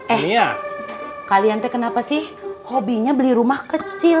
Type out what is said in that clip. eh ya kalian teh kenapa sih hobinya beli rumah kecil